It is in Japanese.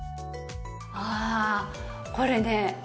ああこれね。